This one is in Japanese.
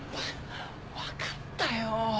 分かったよ。